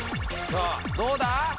さあどうだ